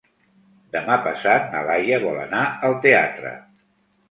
Demà passat na Laia vol anar al teatre.